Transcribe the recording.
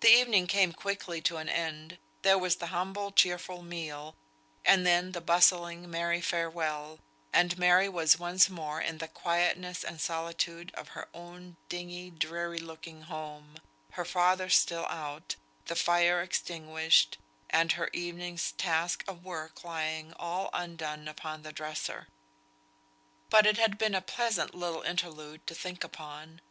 The evening came quickly to an end. There was the humble cheerful meal, and then the bustling merry farewell, and Mary was once more in the quietness and solitude of her own dingy, dreary looking home; her father still out, the fire extinguished, and her evening's task of work lying all undone upon the dresser. But it had been a pleasant little interlude to think upon.